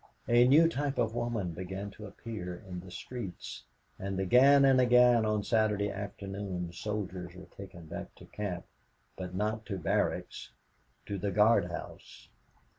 A new type of women began to appear in the streets. And again and again on Saturday afternoons soldiers were taken back to camp, but not to barracks to the guard house.